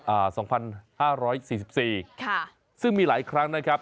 อ่าสองพันห้าร้อยสี่สิบสี่ค่ะซึ่งมีหลายครั้งนะครับ